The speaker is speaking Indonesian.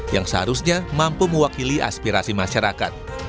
yang seharusnya mampu mewakili aspirasi masyarakat